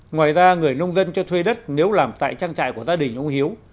ngoài ra người nông dân cho thuê đất nếu làm tại trang trại của gia đình ông hiếu